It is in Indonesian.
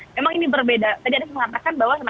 memang ini berbeda tadi anda mengatakan bahwa